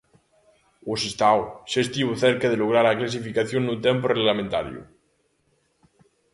O Sestao xa estivo cerca de lograr a clasificación no tempo regulamentario.